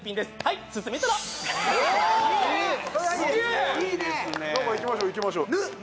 いいね何かいきましょういきましょう